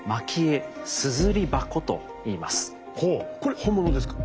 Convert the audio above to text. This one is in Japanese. ほうこれ本物ですか？